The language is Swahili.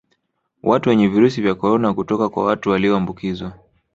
Watu wenye Virusi vya Corona kutoka kwa watu walioambukizwa